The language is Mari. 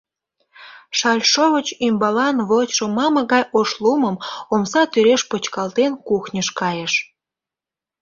Шальшовыч ӱмбалан вочшо мамык гай ош лумым омса тӱреш почкалтен, кухньыш кайыш.